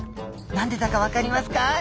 何でだかわかりますか？